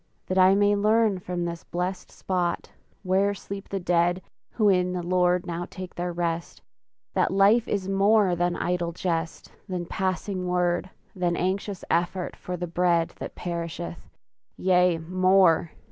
That I may learn from this blest spot Where sleep the dead who in the Lord Now take their rest that life is more Than idle jest, than passing word, Than anxious effort for the bread That perisheth! Yea, more!